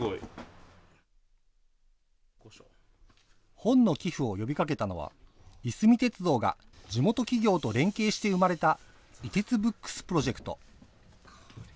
本の寄付を呼びかけたのは、いすみ鉄道が地元企業と連携して生まれた、い鉄ブックスプロジェクト。